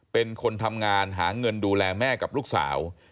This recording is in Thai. เป็นคนทำงานหาเงินดูแลแม่กับลูกสาว